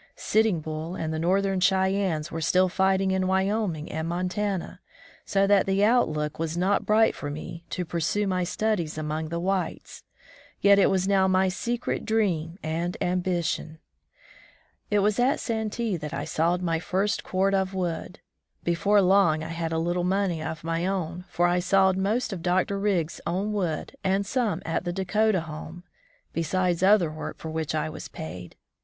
Sitting Bull and the Northern Cheyennes were still fighting in Wyoming and Montana, so that the outlook was not bright for me to piu sue my studies among the whites, yet it was now my secret dream and ambi tion. It was at Santee that I sawed my first cord of wood. Before long I had a little money of my own, for I sawed most of Dr. Riggs's own wood and some at the Dakota Home, besides other work for which I was paid.